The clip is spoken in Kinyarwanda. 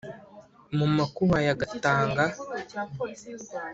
Mu makuba ya Gatanga